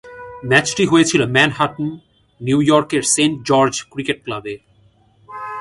ম্যাচটি হয়েছিলো Manhattan, New York এর সেন্ট জর্জ ক্রিকেট ক্লাবে।